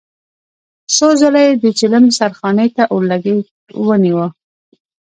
څو ځله يې د چيلم سرخانې ته اورلګيت ونيو.